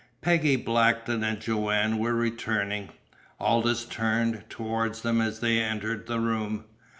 Peggy Blackton and Joanne were returning. Aldous turned toward them as they entered the room.